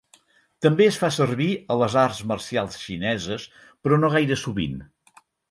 També es fa servir a les arts marcials xineses però no gaire sovint.